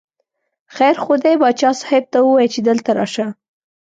خیر خو دی، باچا صاحب ته ووایه چې دلته راشه.